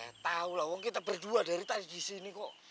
ya tahu lah wong kita berdua dari tadi di sini kok